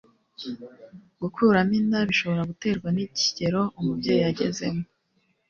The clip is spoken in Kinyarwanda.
Gukuramo inda bishobora guterwa n'ikigero umubyeyi agezemo